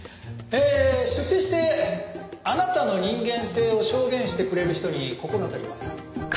えー出廷してあなたの人間性を証言してくれる人に心当たりは？